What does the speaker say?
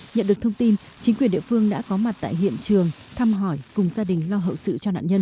nhận được thông tin chính quyền địa phương đã có mặt tại hiện trường thăm hỏi cùng gia đình lo hậu sự cho nạn nhân